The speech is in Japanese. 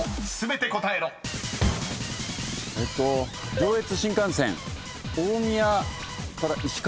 上越新幹線大宮から石川？